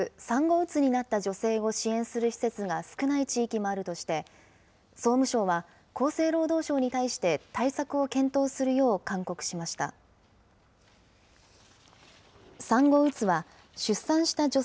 産後うつになった女性を支援する施設が少ない地域もあるとして、総務省は、厚生労働省に対して対策を検討するよう勧告しました。